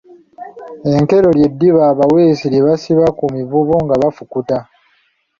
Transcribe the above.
Enkero ly’eddiba abaweesi lye basiba ku mivubo nga bafukuta.